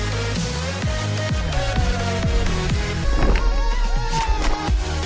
jauh segitu saja semuanya akan terjadi